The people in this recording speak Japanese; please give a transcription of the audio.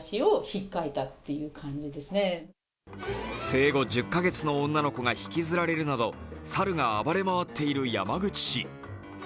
生後１０カ月の女の子が引きずられるなどさるが暴れ回っている山口市。